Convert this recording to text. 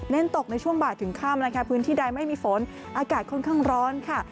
ตกในช่วงบ่ายถึงค่ำนะคะพื้นที่ใดไม่มีฝนอากาศค่อนข้างร้อนค่ะ